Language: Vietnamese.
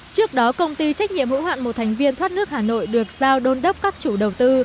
trước đó công ty trách nhiệm hữu hạn một thành viên thoát nước hà nội được giao đôn đốc các chủ đầu tư